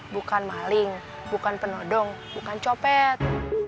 bukan maling bukan penodong bukan copet